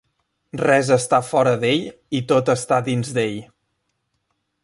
Res està fora d'Ell i tot està dins d'Ell.